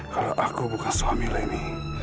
kalau aku bukan suami leni